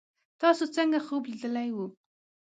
تاسو څنګه خوب لیدلی وو